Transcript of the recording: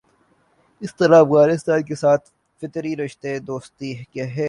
اسی طرح افغانستان کے ساتھ فطری رشتہ دوستی کا ہے۔